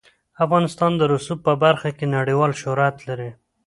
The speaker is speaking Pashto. افغانستان د رسوب په برخه کې نړیوال شهرت لري.